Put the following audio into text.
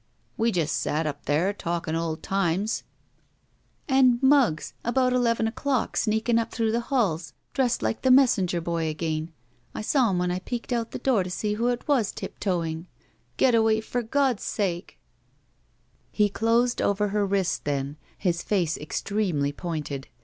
"We just sat up there talking old times—'" 131 THE VERTICAL CITY *'And Muggs, about eleven o'clock, sneaking up through the h^s, dressed like the messenger boy again. I saw him when I peeked out of the door to see who it was tiptoeing. Getaway, for God's »» He closed over her wrist then, his face extremely pointed.